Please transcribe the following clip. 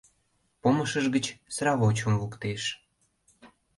Помышыж гыч сравочым луктеш.